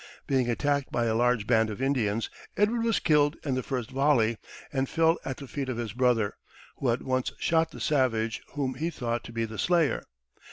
Being attacked by a large band of Indians, Edward was killed in the first volley, and fell at the feet of his brother, who at once shot the savage whom he thought to be the slayer.